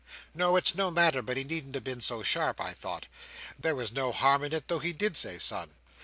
"No, it's no matter, but he needn't have been so sharp, I thought. There was no harm in it though he did say son.